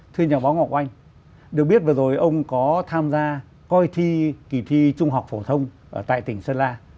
thưa nhà báo ngọc oanh được biết vừa rồi ông có tham gia coi thi kỳ thi trung học phổ thông tại tỉnh sơn la